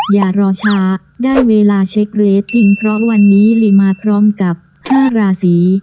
อย่ารอช้าได้เวลาเช็คเรสจริงเพราะวันนี้ลีมาพร้อมกับ๕ราศี